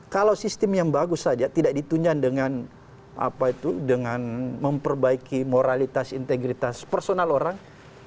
kalau sistem yang bagus saja tidak ditunjang dengan memperbaiki moralitas integritas personal orang